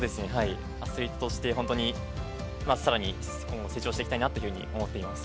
アスリートとして更に今後成長していきたいなと思っています。